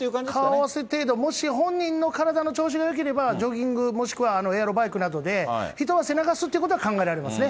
顔合わせ程度、もし、本人の体の調子がよければ、ジョギング、もしくはエアロバイクなどでひと汗流すということは考えられます